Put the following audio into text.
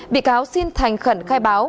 bị cáo xin thành khẩn khai báo